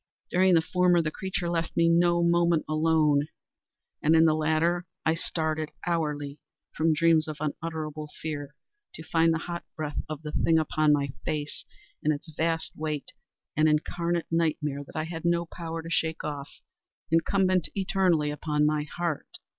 During the former the creature left me no moment alone, and in the latter I started hourly from dreams of unutterable fear to find the hot breath of the thing upon my face, and its vast weight—an incarnate nightmare that I had no power to shake off—incumbent eternally upon my _heart!